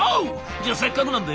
じゃあせっかくなんでよ